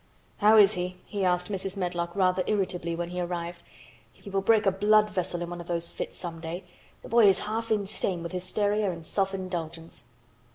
"How is he?" he asked Mrs. Medlock rather irritably when he arrived. "He will break a blood vessel in one of those fits some day. The boy is half insane with hysteria and self indulgence."